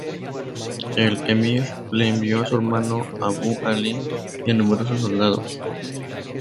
El emir le envió a su hermano Abu Ali y numerosos soldados.